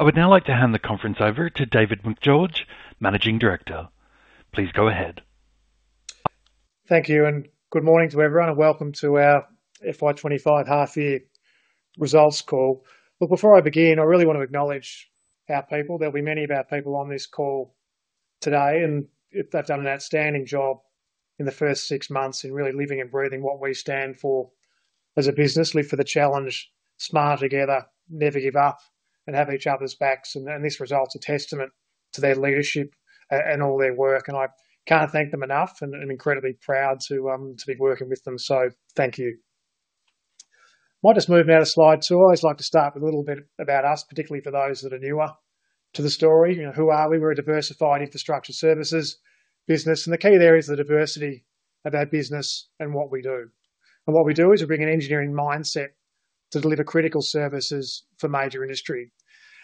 I would now like to hand the conference over to David Macgeorge, Managing Director. Please go ahead. Thank you, and good morning to everyone, and welcome to our FY25 half-year results call. But before I begin, I really want to acknowledge our people. There'll be many of our people on this call today, and they've done an outstanding job in the first six months in really living and breathing what we stand for as a business: live for the challenge, Smarter Together, never give up, and have each other's backs. And this result's a testament to their leadership and all their work, and I can't thank them enough. I'm incredibly proud to be working with them, so thank you. Might just move now to slide two. I always like to start with a little bit about us, particularly for those that are newer to the story. Who are we? We're a diversified infrastructure services business, and the key there is the diversity of our business and what we do. And what we do is we bring an engineering mindset to deliver critical services for major industry.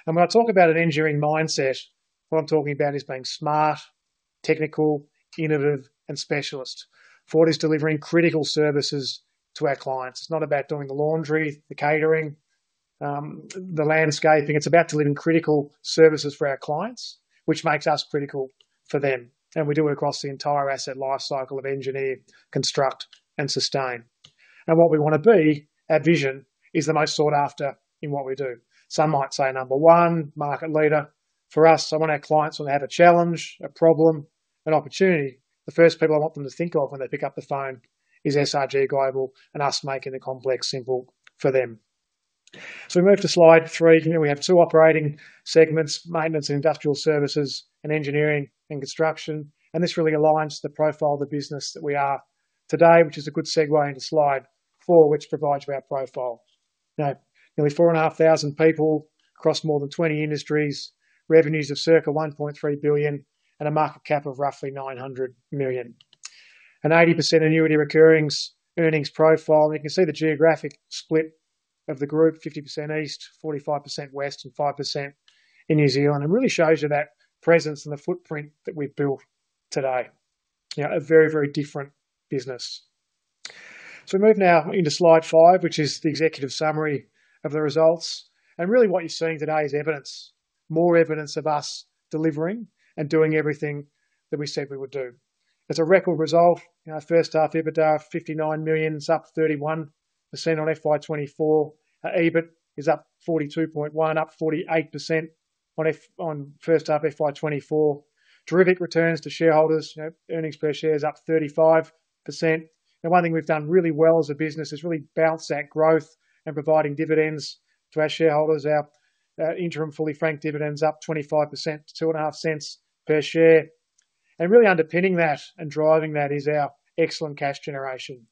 And when I talk about an engineering mindset, what I'm talking about is being smart, technical, innovative, and specialist for what is delivering critical services to our clients. It's not about doing the laundry, the catering, the landscaping. It's about delivering critical services for our clients, which makes us critical for them. And we do it across the entire asset life cycle of engineer, construct, and sustain. And what we want to be, our vision, is the most sought after in what we do. Some might say number one, market leader. For us, someone our clients want to have a challenge, a problem, an opportunity. The first people I want them to think of when they pick up the phone is SRG Global and us making the complex simple for them. We move to slide three. We have two operating segments: Maintenance and Industrial Services, and Engineering and Construction. This really aligns the profile of the business that we are today, which is a good segue into slide four, which provides our profile. Now, nearly 4,500 people across more than 20 industries, revenues of circa 1.3 billion, and a market cap of roughly 900 million. An 80% annuity recurring earnings profile, and you can see the geographic split of the group: 50% East, 45% West, and 5% in New Zealand. It really shows you that presence and the footprint that we've built today. A very, very different business. So we move now into slide five, which is the executive summary of the results. And really what you're seeing today is evidence, more evidence of us delivering and doing everything that we said we would do. It's a record result. First half EBITDA of 59 million, it's up 31% on FY24. EBIT is up 42.1%, up 48% on first half FY24. Terrific returns to shareholders, earnings per share is up 35%. And one thing we've done really well as a business is really bounce that growth and providing dividends to our shareholders. Our interim fully franked dividends are up 25%, 0.025 per share. And really underpinning that and driving that is our excellent cash generation.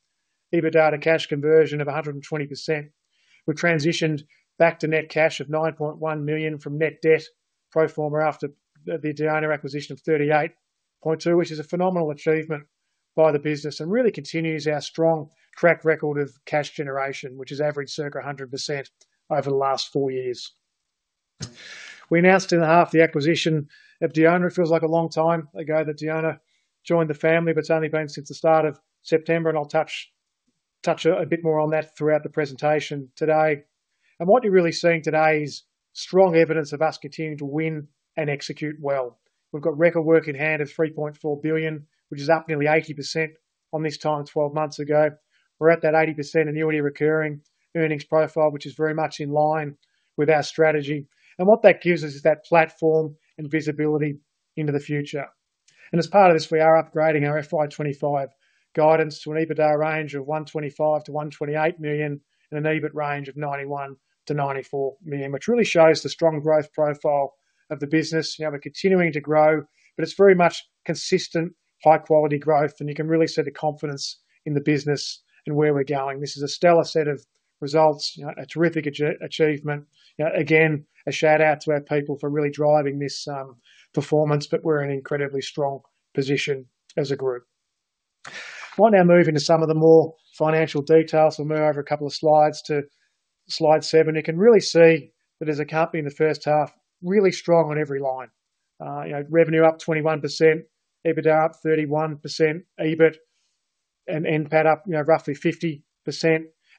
EBITDA to cash conversion of 120%. We've transitioned back to net cash of 9.1 million from net debt pro forma after the Diona acquisition of 38.2 million, which is a phenomenal achievement by the business and really continues our strong track record of cash generation, which has averaged circa 100% over the last four years. We announced in the half the acquisition of Diona. It feels like a long time ago that Diona joined the family, but it's only been since the start of September, and I'll touch a bit more on that throughout the presentation today. And what you're really seeing today is strong evidence of us continuing to win and execute well. We've got record work in hand of 3.4 billion, which is up nearly 80% on this time 12 months ago. We're at that 80% annuity recurring earnings profile, which is very much in line with our strategy. What that gives us is that platform and visibility into the future. As part of this, we are upgrading our FY25 guidance to an EBITDA range of 125 million-128 million and an EBIT range of 91 million-94 million, which really shows the strong growth profile of the business. We're continuing to grow, but it's very much consistent high-quality growth, and you can really see the confidence in the business and where we're going. This is a stellar set of results, a terrific achievement. Again, a shout-out to our people for really driving this performance, but we're in an incredibly strong position as a group. I want to now move into some of the more financial details. We'll move over a couple of slides to slide seven. You can really see that as a company in the first half, really strong on every line. Revenue up 21%, EBITDA up 31%, EBIT and NPAT up roughly 50%.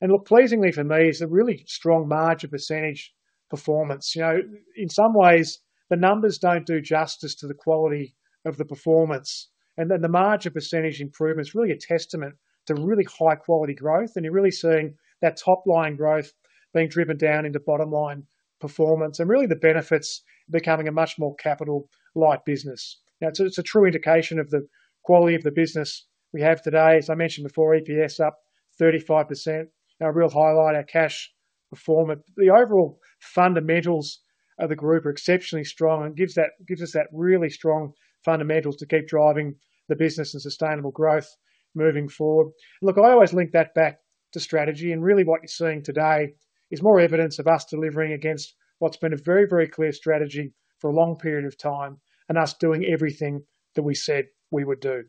And look, pleasingly for me, it's a really strong margin percentage performance. In some ways, the numbers don't do justice to the quality of the performance. And then the margin percentage improvement is really a testament to really high-quality growth, and you're really seeing that top-line growth being driven down into bottom-line performance and really the benefits becoming a much more capital-light business. It's a true indication of the quality of the business we have today. As I mentioned before, EPS up 35%. A real highlight, our cash performance. The overall fundamentals of the group are exceptionally strong and gives us that really strong fundamentals to keep driving the business and sustainable growth moving forward. Look, I always link that back to strategy, and really what you're seeing today is more evidence of us delivering against what's been a very, very clear strategy for a long period of time and us doing everything that we said we would do.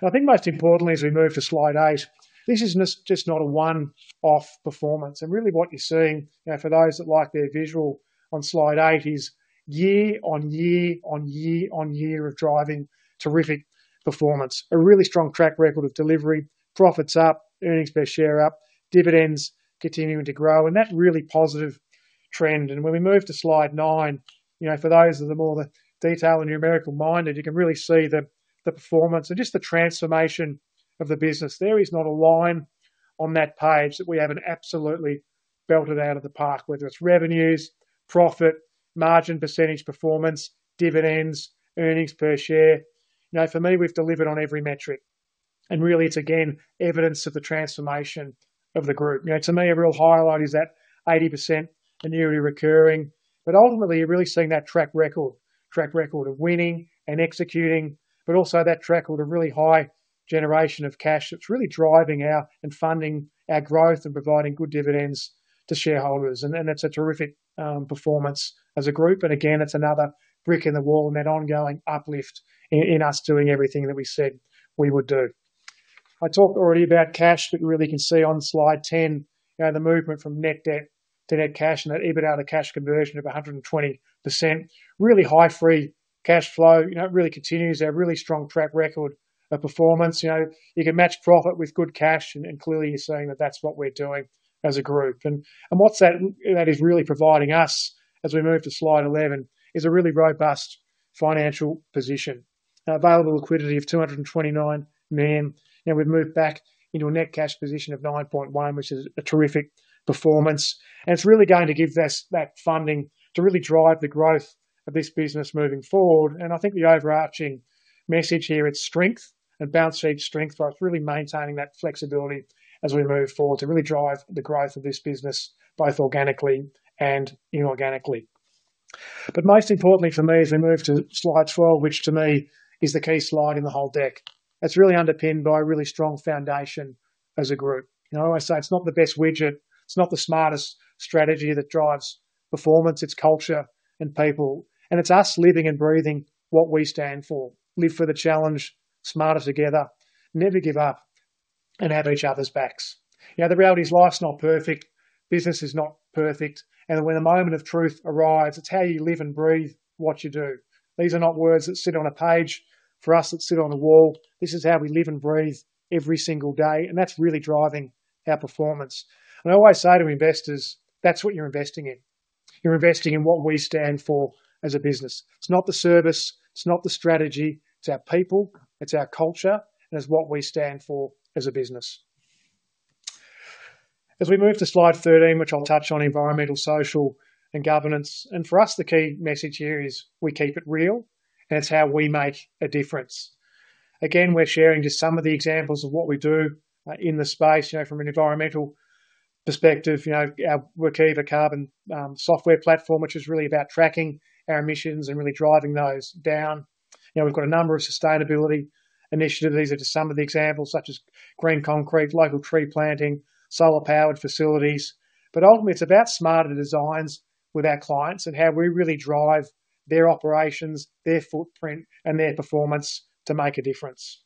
And I think most importantly, as we move to slide eight, this is just not a one-off performance. And really what you're seeing, for those that like their visual on slide eight, is year-on-year-on-year-on-year of driving terrific performance. A really strong track record of delivery, profits up, earnings per share up, dividends continuing to grow, and that really positive trend. And when we move to slide nine, for those of the more detailed and numerical-minded, you can really see the performance and just the transformation of the business. There is not a line on that page that we haven't absolutely belted out of the park, whether it's revenues, profit, margin percentage performance, dividends, earnings per share. For me, we've delivered on every metric, and really, it's again evidence of the transformation of the group. To me, a real highlight is that 80% annuity recurring, but ultimately, you're really seeing that track record of winning and executing, but also that track record of really high generation of cash that's really driving out and funding our growth and providing good dividends to shareholders, and that's a terrific performance as a group, and again, it's another brick in the wall and that ongoing uplift in us doing everything that we said we would do. I talked already about cash, but you really can see on slide 10 the movement from net debt to net cash and that EBITDA to cash conversion of 120%. Really high free cash flow really continues our really strong track record of performance. You can match profit with good cash, and clearly, you're saying that that's what we're doing as a group. And what that is really providing us as we move to slide 11 is a really robust financial position, available liquidity of 229 million. We've moved back into a net cash position of 9.1 million, which is a terrific performance. And it's really going to give us that funding to really drive the growth of this business moving forward. And I think the overarching message here is strength and balance sheet strength, but it's really maintaining that flexibility as we move forward to really drive the growth of this business both organically and inorganically. But most importantly for me, as we move to slide 12, which to me is the key slide in the whole deck, it's really underpinned by a really strong foundation as a group. I always say it's not the best widget, it's not the smartest strategy that drives performance, it's culture and people. And it's us living and breathing what we stand for. Live for the challenge, smarter together, never give up and have each other's backs. The reality is life's not perfect, business is not perfect, and when the moment of truth arrives, it's how you live and breathe what you do. These are not words that sit on a page. For us, it's set on a wall. This is how we live and breathe every single day, and that's really driving our performance, and I always say to investors, that's what you're investing in. You're investing in what we stand for as a business. It's not the service, it's not the strategy, it's our people, it's our culture, and it's what we stand for as a business. As we move to slide 13, which I'll touch on environmental, social, and governance, and for us, the key message here is we keep it real, and it's how we make a difference. Again, we're sharing just some of the examples of what we do in the space. From an environmental perspective, we're key to a carbon software platform, which is really about tracking our emissions and really driving those down. We've got a number of sustainability initiatives. These are just some of the examples, such as green concrete, local tree planting, solar-powered facilities. But ultimately, it's about smarter designs with our clients and how we really drive their operations, their footprint, and their performance to make a difference.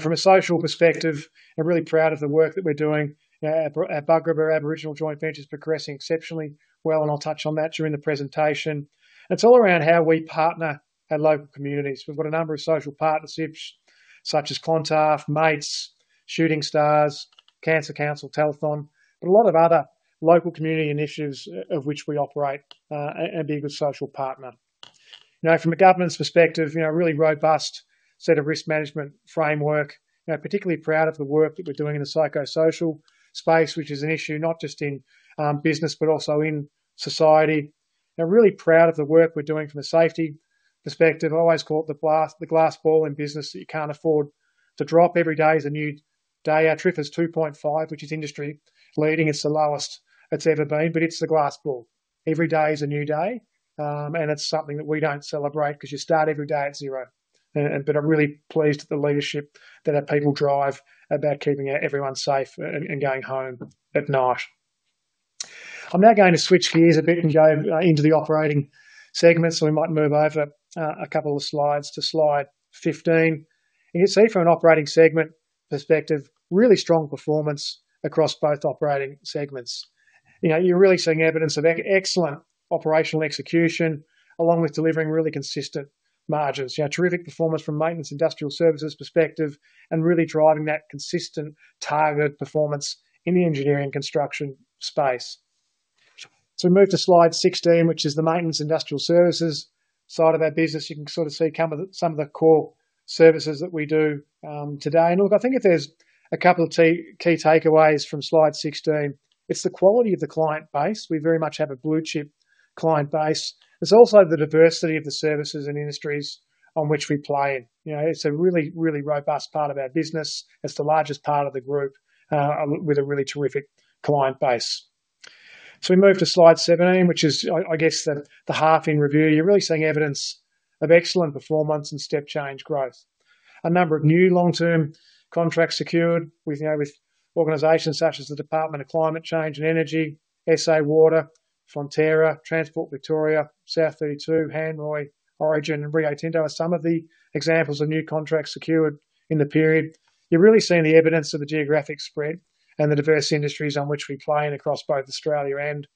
From a social perspective, I'm really proud of the work that we're doing. At Bugarrba Aboriginal Joint Venture, progressing exceptionally well, and I'll touch on that during the presentation. It's all around how we partner at local communities. We've got a number of social partnerships, such as Clontarf, MATES, Shooting Stars, Cancer Council, Telethon, but a lot of other local community initiatives of which we operate and be a good social partner. From a governance perspective, a really robust set of risk management framework. I'm particularly proud of the work that we're doing in the psychosocial space, which is an issue not just in business, but also in society. I'm really proud of the work we're doing from a safety perspective. I always call it the glass ball in business that you can't afford to drop. Every day is a new day. Our TRIFR is 2.5, which is industry leading. It's the lowest it's ever been, but it's the glass ball. Every day is a new day, and it's something that we don't celebrate because you start every day at zero. But I'm really pleased at the leadership that our people drive about keeping everyone safe and going home at night. I'm now going to switch gears a bit and go into the operating segment, so we might move over a couple of slides to slide 15. You can see from an operating segment perspective, really strong performance across both operating segments. You're really seeing evidence of excellent operational execution along with delivering really consistent margins. Terrific performance from maintenance industrial services perspective and really driving that consistent targeted performance in the engineering and construction space. So we move to slide 16, which is the maintenance industrial services side of our business. You can sort of see some of the core services that we do today. And look, I think if there's a couple of key takeaways from slide 16, it's the quality of the client base. We very much have a blue chip client base. It's also the diversity of the services and industries on which we play. It's a really, really robust part of our business. It's the largest part of the group with a really terrific client base. So we move to slide 17, which is, I guess, the half in review. You're really seeing evidence of excellent performance and step change growth. A number of new long-term contracts secured with organizations such as the Department of Climate Change and Energy, SA Water, Fonterra, Transport Victoria, South32, HanRoy, Origin, and Rio Tinto are some of the examples of new contracts secured in the period. You're really seeing the evidence of the geographic spread and the diverse industries on which we play across both Australia and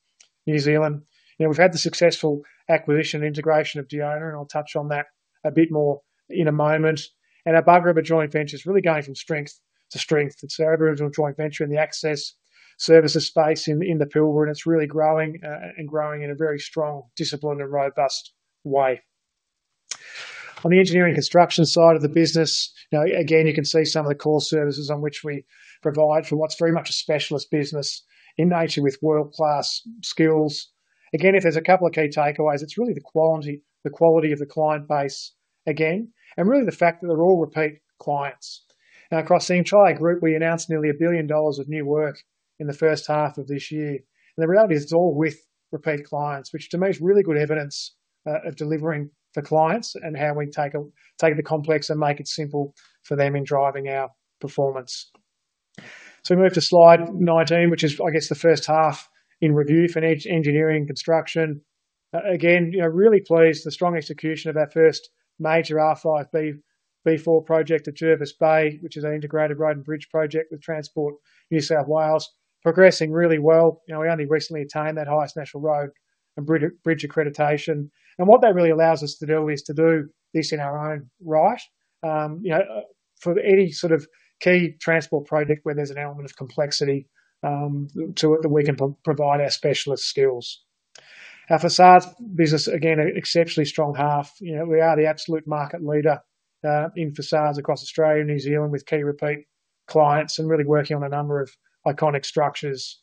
New Zealand. We've had the successful acquisition and integration of Diona, and I'll touch on that a bit more in a moment. And our Bugarrba Aboriginal Joint Venture is really going from strength to strength. It's our Aboriginal Joint Venture in the access services space in the Pilbara, and it's really growing and growing in a very strong, disciplined, and robust way. On the engineering construction side of the business, again, you can see some of the core services on which we provide for what's very much a specialist business in nature with world-class skills. Again, if there's a couple of key takeaways, it's really the quality of the client base, again, and really the fact that they're all repeat clients. Now, across the entire group, we announced nearly 1 billion dollars of new work in the first half of this year, and the reality is it's all with repeat clients, which to me is really good evidence of delivering for clients and how we take the complex and make it simple for them in driving our performance, so we move to slide 19, which is, I guess, the first half in review for engineering and construction. Again, really pleased with the strong execution of our first major R5B4 project at Jervis Bay, which is an integrated road and bridge project with Transport for New South Wales, progressing really well. We only recently attained that highest national road and bridge accreditation. What that really allows us to do is to do this in our own right for any sort of key transport project where there's an element of complexity to it that we can provide our specialist skills. Our facades business, again, an exceptionally strong half. We are the absolute market leader in facades across Australia and New Zealand with key repeat clients and really working on a number of iconic structures.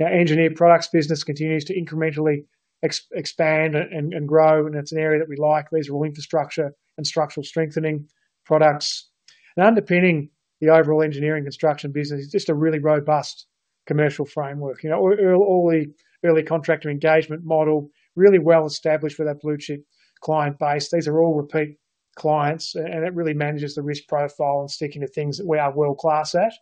Our engineered products business continues to incrementally expand and grow, and it's an area that we like. These are all infrastructure and structural strengthening products. And underpinning the overall engineering construction business is just a really robust commercial framework. All the early contractor engagement model really well established with our blue chip client base. These are all repeat clients, and it really manages the risk profile and sticking to things that we are world-class at,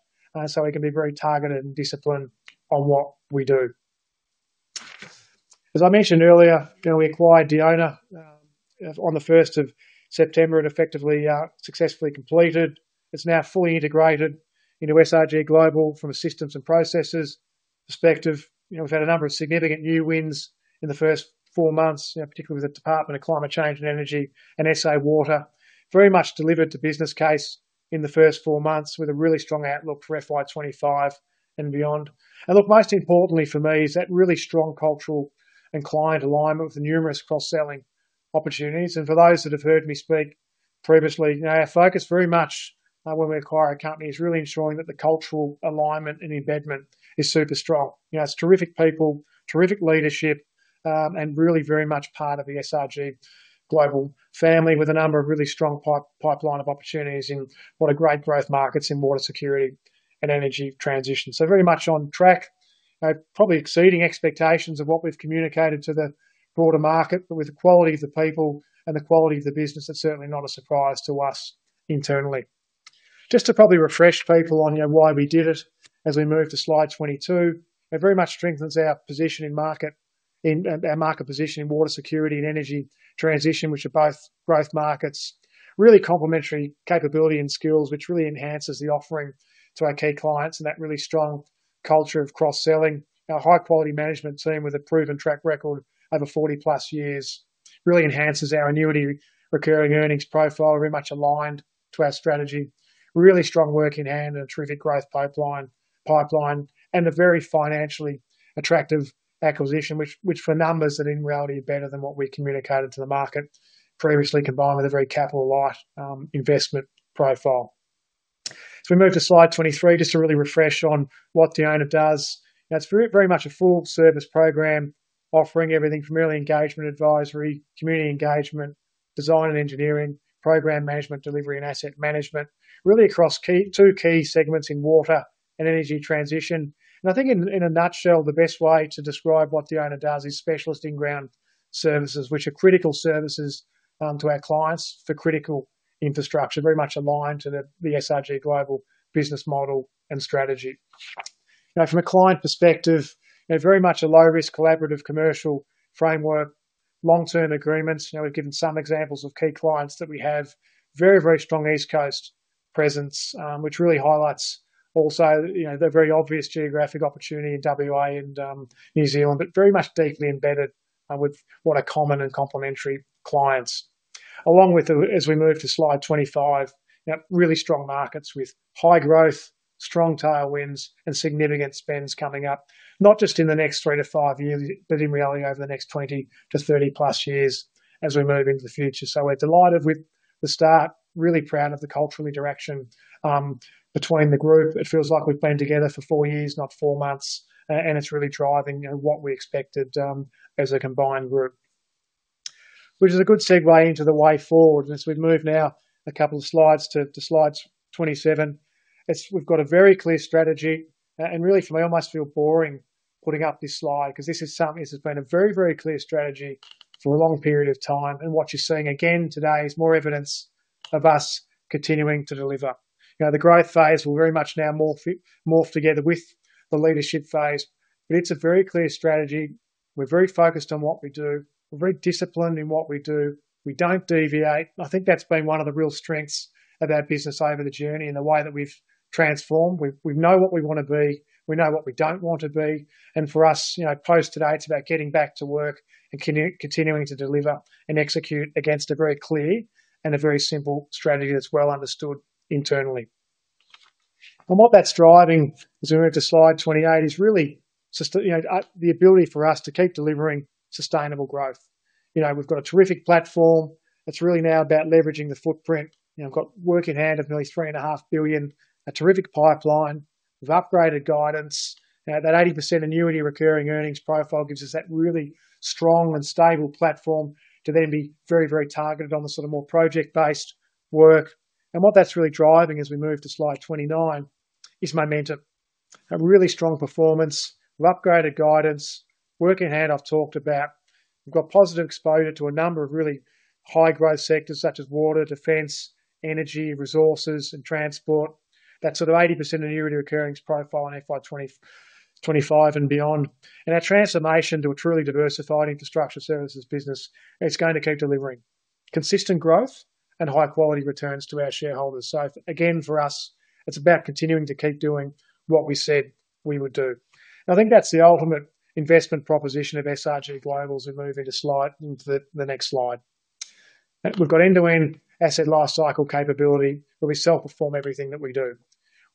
so we can be very targeted and disciplined on what we do. As I mentioned earlier, we acquired Diona on the 1st of September. It effectively successfully completed. It's now fully integrated into SRG Global from a systems and processes perspective. We've had a number of significant new wins in the first four months, particularly with the Department of Climate Change and Energy and SA Water. Very much delivered to business case in the first four months with a really strong outlook for FY25 and beyond. And look, most importantly for me is that really strong cultural and client alignment with the numerous cross-selling opportunities. And for those that have heard me speak previously, our focus very much when we acquire a company is really ensuring that the cultural alignment and embedment is super strong. It's terrific people, terrific leadership, and really very much part of the SRG Global family with a number of really strong pipeline of opportunities in what are great growth markets in water security and energy transition. So very much on track, probably exceeding expectations of what we've communicated to the broader market, but with the quality of the people and the quality of the business, it's certainly not a surprise to us internally. Just to probably refresh people on why we did it as we move to slide 22, it very much strengthens our position in market, our market position in water security and energy transition, which are both growth markets. Really complementary capability and skills, which really enhances the offering to our key clients and that really strong culture of cross-selling. Our high-quality management team with a proven track record over 40-plus years really enhances our annuity recurring earnings profile, very much aligned to our strategy. Really strong work in hand and a terrific growth pipeline and a very financially attractive acquisition, which for numbers that in reality are better than what we communicated to the market previously, combined with a very capital-light investment profile. So we move to slide 23 just to really refresh on what Diona does. It's very much a full-service program offering everything from early engagement advisory, community engagement, design and engineering, program management, delivery, and asset management, really across two key segments in water and energy transition. And I think in a nutshell, the best way to describe what Diona does is specialist in-ground services, which are critical services to our clients for critical infrastructure, very much aligned to the SRG Global business model and strategy. From a client perspective, very much a low-risk collaborative commercial framework, long-term agreements. We've given some examples of key clients that we have, very, very strong East Coast presence, which really highlights also the very obvious geographic opportunity in WA and New Zealand, but very much deeply embedded with what are common and complementary clients. Along with, as we move to slide 25, really strong markets with high growth, strong tailwinds, and significant spends coming up, not just in the next three to five years, but in really over the next 20-30 plus years as we move into the future. So we're delighted with the start, really proud of the cultural interaction between the group. It feels like we've been together for four years, not four months, and it's really driving what we expected as a combined group, which is a good segue into the way forward. As we move now a couple of slides to slide 27, we've got a very clear strategy, and really for me, I almost feel boring putting up this slide because this has been a very, very clear strategy for a long period of time. And what you're seeing again today is more evidence of us continuing to deliver. The growth phase will very much now morph together with the leadership phase, but it's a very clear strategy. We're very focused on what we do. We're very disciplined in what we do. We don't deviate. I think that's been one of the real strengths of our business over the journey and the way that we've transformed. We know what we want to be. We know what we don't want to be. And for us, post today, it's about getting back to work and continuing to deliver and execute against a very clear and a very simple strategy that's well understood internally. And what that's driving, as we move to slide 28, is really the ability for us to keep delivering sustainable growth. We've got a terrific platform. It's really now about leveraging the footprint. We've got work in hand of nearly 3.5 billion, a terrific pipeline. We've upgraded guidance. That 80% annuity recurring earnings profile gives us that really strong and stable platform to then be very, very targeted on the sort of more project-based work, and what that's really driving as we move to slide 29 is momentum, a really strong performance. We've upgraded guidance. Work in hand I've talked about. We've got positive exposure to a number of really high-growth sectors such as water, defense, energy, resources, and transport. That sort of 80% annuity recurring profile on FY25 and beyond, and our transformation to a truly diversified infrastructure services business, it's going to keep delivering consistent growth and high-quality returns to our shareholders, so again, for us, it's about continuing to keep doing what we said we would do. I think that's the ultimate investment proposition of SRG Global as we move into the next slide. We've got end-to-end asset lifecycle capability where we self-perform everything that we do.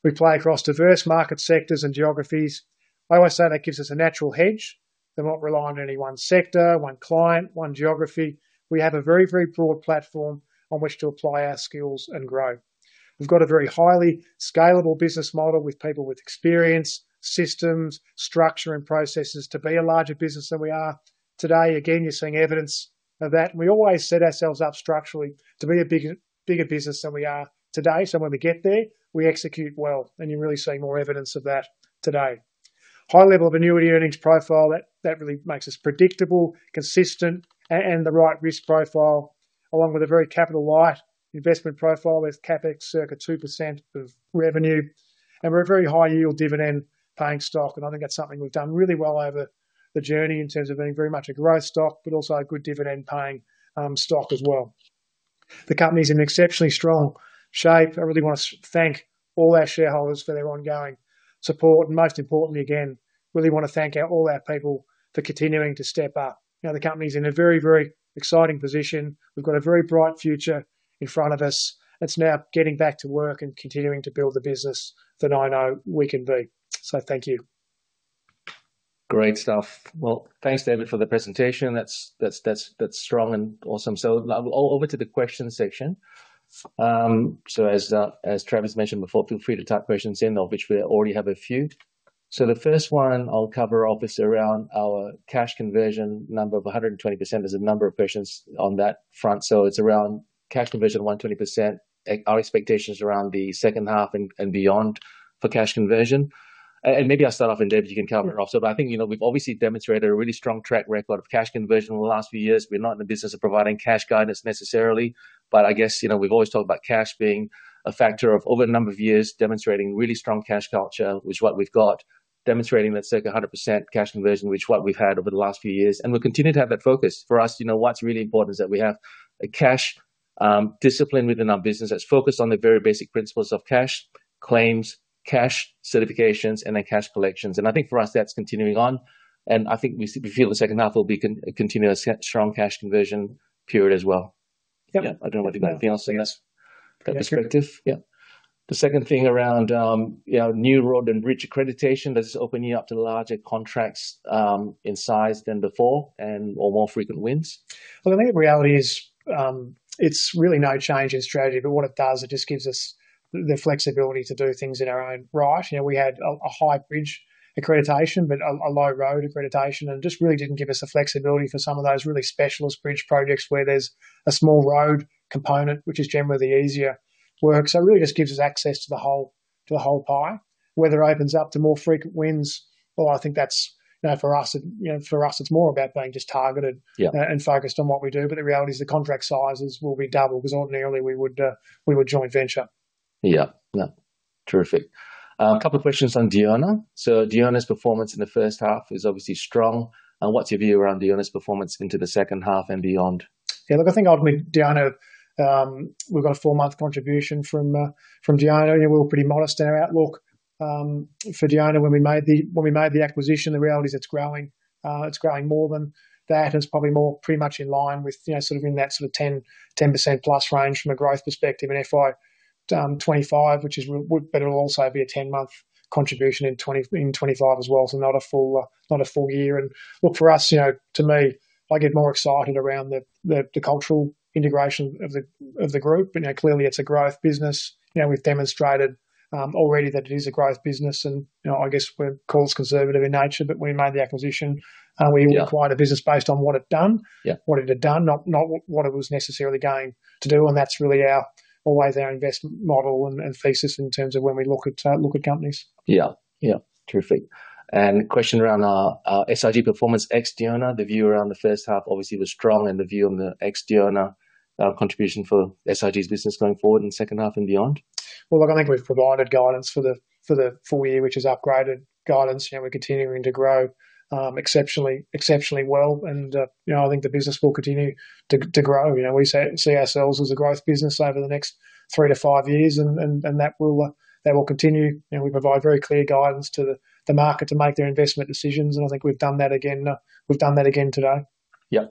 We play across diverse market sectors and geographies. I always say that gives us a natural hedge. We're not relying on any one sector, one client, one geography. We have a very, very broad platform on which to apply our skills and grow. We've got a very highly scalable business model with people with experience, systems, structure, and processes to be a larger business than we are today. Again, you're seeing evidence of that. We always set ourselves up structurally to be a bigger business than we are today. So when we get there, we execute well, and you're really seeing more evidence of that today. High level of annuity earnings profile. That really makes us predictable, consistent, and the right risk profile, along with a very capital light investment profile with CapEx, circa 2% of revenue. And we're a very high-yield dividend-paying stock, and I think that's something we've done really well over the journey in terms of being very much a growth stock, but also a good dividend-paying stock as well. The company's in exceptionally strong shape. I really want to thank all our shareholders for their ongoing support. And most importantly, again, really want to thank all our people for continuing to step up. The company's in a very, very exciting position. We've got a very bright future in front of us. It's now getting back to work and continuing to build the business that I know we can be. So thank you. Great stuff. Well, thanks, David, for the presentation. That's strong and awesome. So over to the question section. So as Travis mentioned before, feel free to type questions in, of which we already have a few. So the first one I'll cover off is around our cash conversion number of 120%. There's a number of questions on that front. So it's around cash conversion of 120%. Our expectations around the second half and beyond for cash conversion. And maybe I'll start off, and David, you can cover it off. So I think we've obviously demonstrated a really strong track record of cash conversion in the last few years. We're not in the business of providing cash guidance necessarily, but I guess we've always talked about cash being a factor of over a number of years demonstrating really strong cash culture, which is what we've got, demonstrating that circa 100% cash conversion, which is what we've had over the last few years. And we'll continue to have that focus. For us, what's really important is that we have a cash discipline within our business that's focused on the very basic principles of cash claims, cash certifications, and then cash collections. And I think for us, that's continuing on. And I think we feel the second half will be a continuous strong cash conversion period as well. Yeah, I don't know what you got anything else to add to that perspective. Yeah. The second thing around new road and bridge accreditation, does this open you up to larger contracts in size than before and/or more frequent wins? Well, I think the reality is it's really no change in strategy, but what it does, it just gives us the flexibility to do things in our own right. We had a high bridge accreditation, but a low road accreditation, and it just really didn't give us the flexibility for some of those really specialist bridge projects where there's a small road component, which is generally the easier work. So it really just gives us access to the whole pie. Whether it opens up to more frequent wins, well, I think that's for us, it's more about being just targeted and focused on what we do. But the reality is the contract sizes will be double because ordinarily we would joint venture. Yeah, yeah. Terrific. A couple of questions on Diona. So Diona's performance in the first half is obviously strong. And what's your view around Diona's performance into the second half and beyond? Yeah, look, I think ultimately, Diona, we've got a four-month contribution from Diona. We were pretty modest in our outlook for Diona when we made the acquisition. The reality is it's growing. It's growing more than that. It's probably more pretty much in line with sort of in that sort of 10% plus range from a growth perspective in FY25, which is, but it'll also be a 10-month contribution in 2025 as well, so not a full year, and look, for us, to me, I get more excited around the cultural integration of the group. Clearly, it's a growth business. We've demonstrated already that it is a growth business, and I guess we're quite conservative in nature, but we made the acquisition. We acquired a business based on what it had done, not what it was necessarily going to do, and that's really always our investment model and thesis in terms of when we look at companies. Yeah, yeah. Terrific. Question around our SRG performance, ex-Diona, the view around the first half obviously was strong and the view on the ex-Diona contribution for SRG's business going forward in the second half and beyond? Look, I think we've provided guidance for the full year, which is upgraded guidance. We're continuing to grow exceptionally well. I think the business will continue to grow. We see ourselves as a growth business over the next three to five years, and that will continue. We provide very clear guidance to the market to make their investment decisions. I think we've done that again. We've done that again today. Yeah.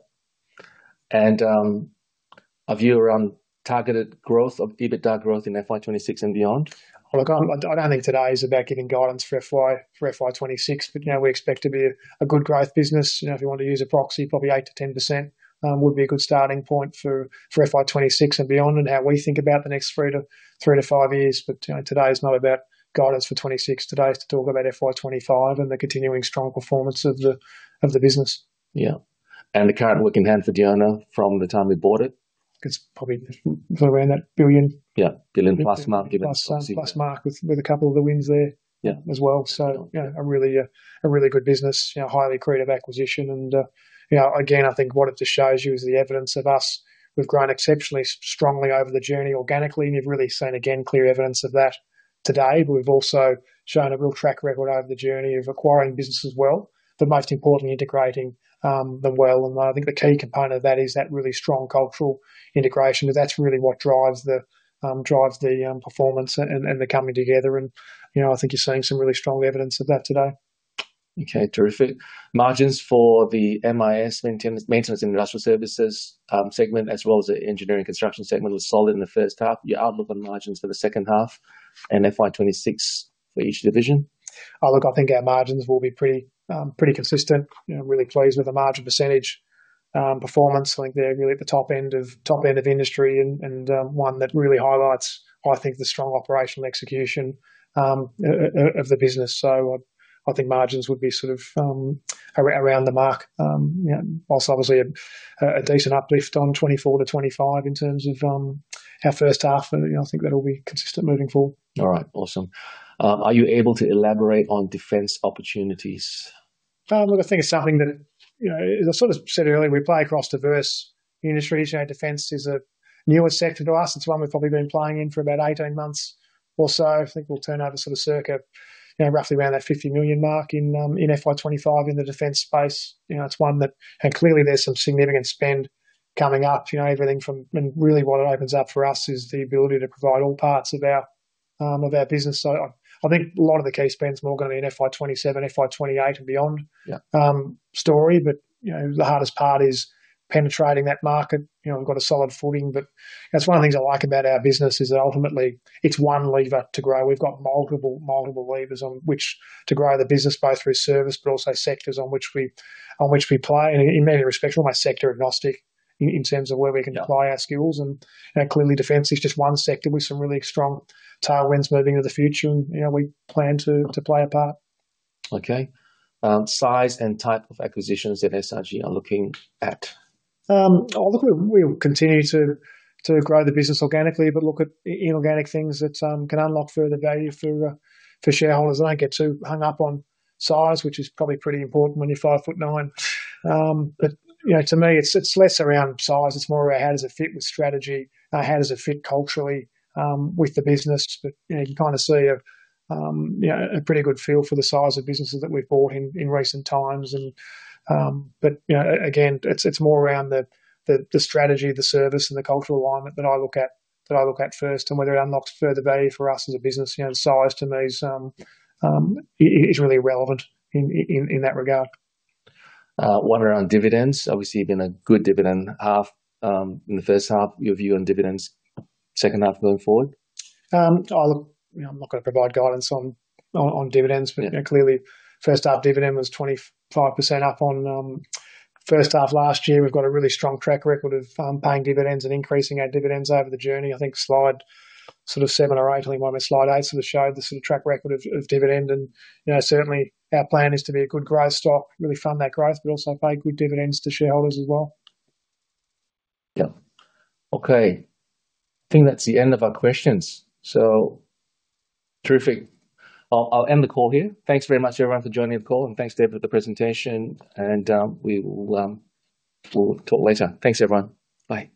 A view around targeted growth of EBITDA growth in FY26 and beyond? Look, I don't think today is about giving guidance for FY26, but we expect to be a good growth business. If you want to use a proxy, probably 8%-10% would be a good starting point for FY26 and beyond and how we think about the next three to five years. But today is not about guidance for 26. Today is to talk about FY25 and the continuing strong performance of the business. Yeah. And the current work in hand for Diona from the time we bought it? It's probably around 1 billion. Yeah, billion plus mark. Plus mark, with a couple of the wins there as well. So a really good business, highly creative acquisition. And again, I think what it just shows you is the evidence of us. We've grown exceptionally strongly over the journey organically, and you've really seen again clear evidence of that today. But we've also shown a real track record over the journey of acquiring business as well, but most importantly, integrating them well. I think the key component of that is that really strong cultural integration. That's really what drives the performance and the coming together. And I think you're seeing some really strong evidence of that today. Okay, terrific. Margins for the MIS, Maintenance and Industrial Services segment, as well as the Engineering and Construction segment, was solid in the first half. Your outlook on margins for the second half and FY26 for each division? Look, I think our margins will be pretty consistent. I'm really pleased with the margin percentage performance. I think they're really at the top end of industry and one that really highlights, I think, the strong operational execution of the business. So I think margins would be sort of around the mark, while obviously a decent uplift on 24 to 25 in terms of our first half. I think that'll be consistent moving forward. All right, awesome. Are you able to elaborate on defense opportunities? Look, I think it's something that, as I sort of said earlier, we play across diverse industries. Defense is a newer sector to us. It's one we've probably been playing in for about 18 months or so. I think we'll turn over sort of circa roughly around that 50 million mark in FY25 in the defense space. It's one that, and clearly there's some significant spend coming up. Everything from, and really what it opens up for us is the ability to provide all parts of our business. So I think a lot of the key spend is more going to be in FY27, FY28 and beyond story. But the hardest part is penetrating that market. We've got a solid footing. But that's one of the things I like about our business, is that ultimately it's one lever to grow. We've got multiple levers on which to grow the business, both through service, but also sectors on which we play. And in many respects, we're almost sector agnostic in terms of where we can apply our skills. And clearly, defense is just one sector with some really strong tailwinds moving into the future. And we plan to play a part. Okay. Size and type of acquisitions that SRG are looking at? Look, we'll continue to grow the business organically, but look at inorganic things that can unlock further value for shareholders. I don't get too hung up on size, which is probably pretty important when you're five foot nine. But to me, it's less around size. It's more about how does it fit with strategy? How does it fit culturally with the business? But you kind of see a pretty good feel for the size of businesses that we've bought in recent times. But again, it's more around the strategy, the service, and the cultural alignment that I look at first and whether it unlocks further value for us as a business. Size to me is really relevant in that regard. One around dividends. Obviously, you've been a good dividend payer in the first half. Your view on dividends second half going forward? I'm not going to provide guidance on dividends, but clearly, first half dividend was 25% up on first half last year. We've got a really strong track record of paying dividends and increasing our dividends over the journey. I think slide sort of seven or eight, on slide eight sort of showed the sort of track record of dividend. Certainly, our plan is to be a good growth stock, really fund that growth, but also pay good dividends to shareholders as well. Yeah. Okay. I think that's the end of our questions. Terrific. I'll end the call here. Thanks very much, everyone, for joining the call. Thanks, David, for the presentation. We will talk later. Thanks, everyone. Bye.